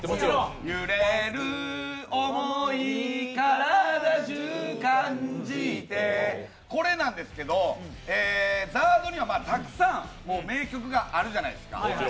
揺れる想い体じゅう感じてこれなんですけど、ＺＡＲＤにはたくさん名曲があるじゃないですか。